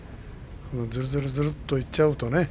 ずるずるといっちゃうとね